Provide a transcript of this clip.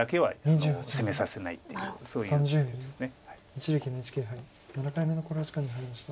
一力ＮＨＫ杯７回目の考慮時間に入りました。